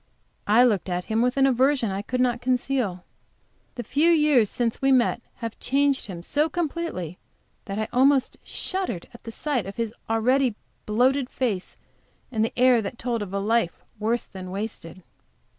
I looked at him with an aversion I could not conceal. The few years since we met has changed him so completely that I almost shuddered at the sight of his already bloated face, and at the air that told of a life worse than wasted.